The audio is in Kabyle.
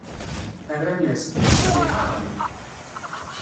Rran-as-d: Si Ḥaṛan.